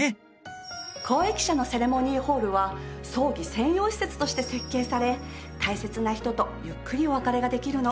公益社のセレモニーホールは葬儀専用施設として設計され大切な人とゆっくりお別れができるの。